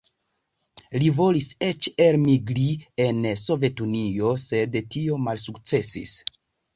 Li volis eĉ elmigri en Sovetunion, sed tio malsukcesis.